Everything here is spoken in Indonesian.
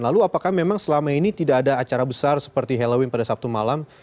lalu apakah memang selama ini tidak ada acara besar seperti halloween pada sabtu malam